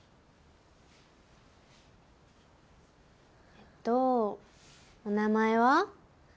えっとお名前は？